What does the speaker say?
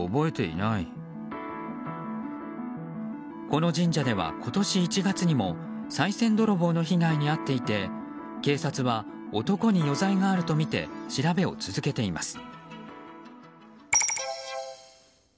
この神社では今年１月にもさい銭泥棒の被害に遭っていて警察は男に余罪があるとみて調べを続けています。